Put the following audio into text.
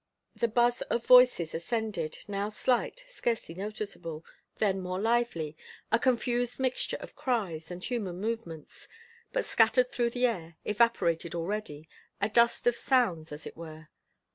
The buzz of voices ascended, now slight, scarcely noticeable, then more lively, a confused mixture of cries and human movements, but scattered through the air, evaporated already a dust of sounds, as it were.